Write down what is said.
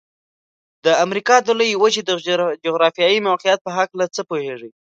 د امریکا د لویې وچې د جغرافيايي موقعیت په هلکه څه پوهیږئ؟